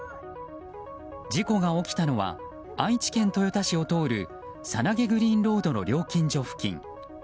事故が起きたのは愛知県豊田市を通る猿投グリーンロードの料金所付近。